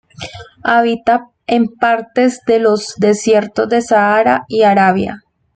Habita en partes de los desiertos del Sáhara y Arabia.